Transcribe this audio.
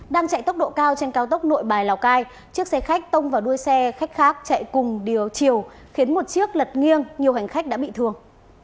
đang chạy tốc độ cao trên cao tốc nội bài lào cai chiếc xe khách tông vào đuôi xe khách khác chạy cùng chiều chiều khiến một chiếc lật nghiêng nhiều hành khách đã bị thương